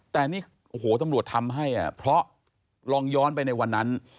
แต่นี่โอ้โหตำรวจทำให้เพราะลองย้อนไปในวันนั้น